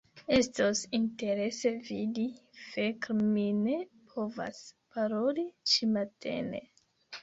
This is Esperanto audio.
Estos interese vidi... fek' mi ne povas paroli ĉi-matene